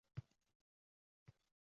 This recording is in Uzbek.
Sekinroq, sekinroq, bolalar